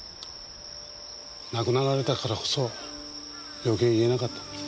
亡くなられたからこそ余計言えなかったんです。